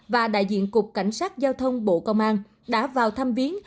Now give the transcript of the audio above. và đại diện cục cảnh sát giao thông bộ công an đã vào thăm viến